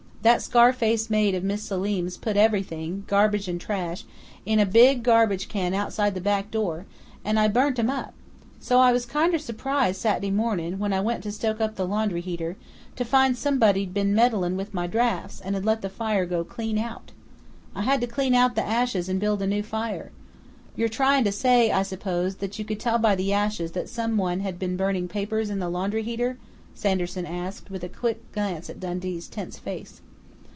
That scar face maid of Mis' Selim's put everything garbage and trash in a big garbage can outside the back door, and I burnt 'em up. So I was kinder surprised Sat'dy mornin', when I went to stoke up the laundry heater, to find somebody'd been meddlin' with my drafts and had let the fire go clean out. I had to clean out the ashes and build a new fire " "You're trying to say, I suppose, that you could tell by the ashes that someone had been burning papers in the laundry heater?" Sanderson asked, with a quick glance at Dundee's tense face.